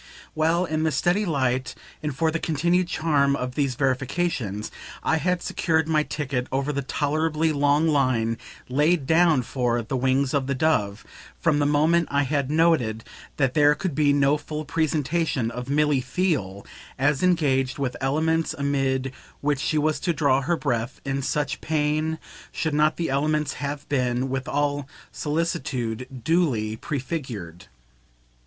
Well in the steady light and for the continued charm of these verifications I had secured my ticket over the tolerably long line laid down for "The Wings of the Dove" from the moment I had noted that there could be no full presentation of Milly Theale as ENGAGED with elements amid which she was to draw her breath in such pain, should not the elements have been, with all solicitude, duly prefigured.